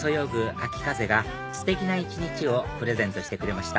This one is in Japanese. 秋風がステキな一日をプレゼントしてくれました